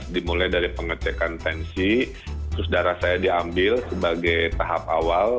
dimulai dari pengecekan tensi terus darah saya diambil sebagai tahap awal